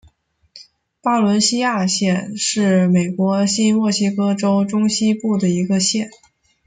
巴伦西亚县是美国新墨西哥州中西部的一个县。